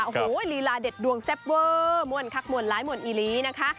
โอ้โหลีลาเด็ดดวงแซ่บเวอร์ม่วนคักมวลร้ายมวลอีลีนะคะ